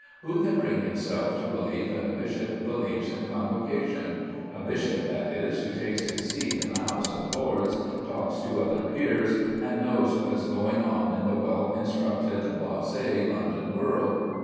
Who can bring himself to believe that a bishop believes in Convocation a bishop, that is, who takes his seat in the House of Lords, talks to other peers, and knows what is going on in the well instructed blasé London world?